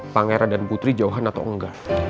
pangeran dan putri johan atau enggak